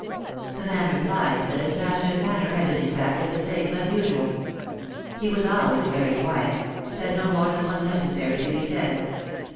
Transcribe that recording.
The man replied that his master^s manner had been exactly the same as usual. He was always very quiet — said no more than was necessary to be said.